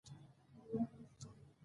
د پياوړتيا لپاره په وياړ سره ونډه اخلي.